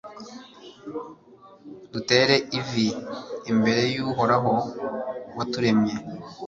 dutere ivi imbere y'uhoraho waturemye